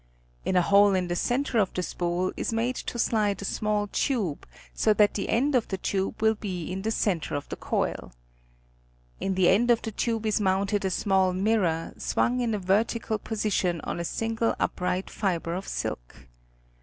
In a hole in the centre of the spool is made to slide a small tube, so that the end of the tube will be in the centre of the coil. In. the end of the tube is mounted a small mirror, swung in a vertical position on a single upright fibre of silk.